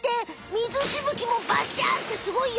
みずしぶきもバッシャンってすごいよ！